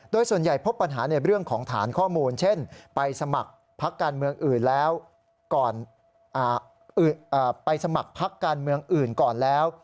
โดยส่วนใหญ่พบปัญหาในเรื่องของฐานข้อมูลเช่นไปสมัครพักการเมืองอื่นก่อนแล้ว